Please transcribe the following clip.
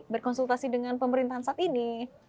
berkonsultasi dengan pemerintahan saat ini